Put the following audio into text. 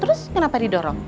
terus kenapa didorong